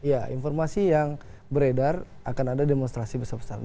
ya informasi yang beredar akan ada demonstrasi besar besaran